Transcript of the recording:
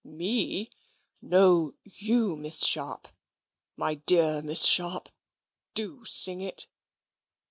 "Me? No, you, Miss Sharp; my dear Miss Sharp, do sing it."